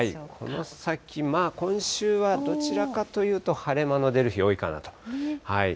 この先、今週はどちらかというと晴れ間の出る日、多いかなと。